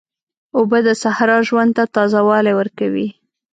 اوبه د صحرا ژوند ته تازه والی ورکوي.